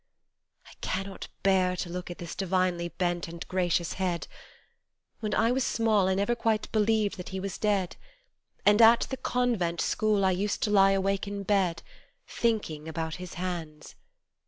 I cannot bear to look at this divinely bent and gracious head : When I was small I never quite believed that He was dead And at the Convent school I used to lie awake in bed Thinking about His hands.